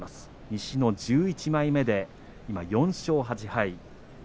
西の１１枚目、４勝８敗です。